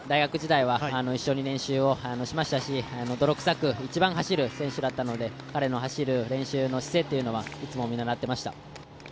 大学時代は一緒に練習をしましたし、泥臭く一番走る選手だったので、彼の走る練習の姿勢はいつも見習っていました。